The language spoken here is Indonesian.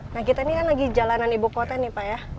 nah kita ini kan lagi jalanan ibu kota nih pak ya